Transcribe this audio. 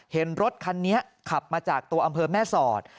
เห็นรถคันนี้ขับมาจากตัวอำเภอแม่สอด